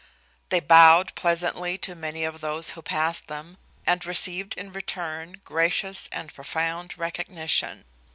They bowed pleasantly to many of those who passed them, and received in return gracious and profound recognition.